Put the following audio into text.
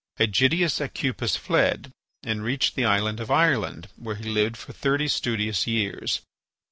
Ægidius Aucupis fled, and reached the island of Ireland, where he lived for thirty studious years.